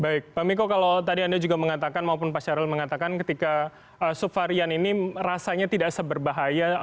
baik pak miko kalau tadi anda juga mengatakan maupun pak syahril mengatakan ketika subvarian ini rasanya tidak seberbahaya